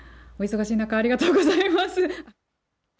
お忙しい中、ありがとうございます。